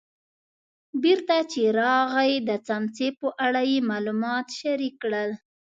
بېرته چې راغی د څمڅې په اړه یې معلومات شریک کړل.